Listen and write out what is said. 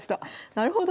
なるほど。